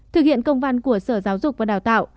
thực hiện công văn của sở giáo dục và đào tạo